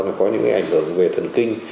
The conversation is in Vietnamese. nó có những cái ảnh hưởng về thần kinh